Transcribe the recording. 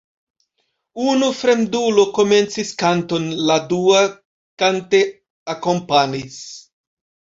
Unu fremdulo komencis kanton, la dua kante akompanis.